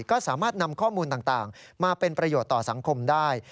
ก็สามารถนำข้อมูลต่างมาเป็นประโยชน์ต่อสังคมได้